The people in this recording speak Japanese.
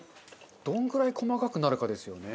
どのくらい細かくなるかですよね。